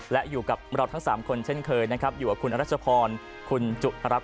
และอยู่กับเราทั้ง๓คนเช่นเคยนะครับอยู่กับคุณอรัชพรคุณจุรัฐ